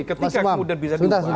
ketika kemudian bisa diubah